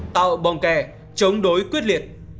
tạo bong kè chống đối quyết liệt